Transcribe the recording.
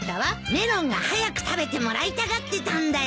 メロンが早く食べてもらいたがってたんだよ。